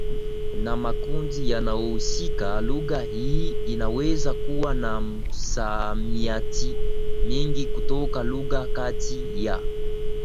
na makundi yanayohusika Lugha hii inaweza kuwa na msamiati mwingi kutoka lugha kati ya